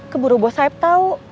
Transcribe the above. keburu bos saeb tahu